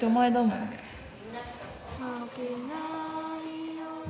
「負けないように」